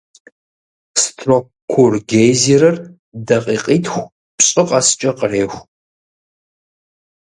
Строккур гейзерыр дакъикъитху-пщӏы къэскӀэ къреху.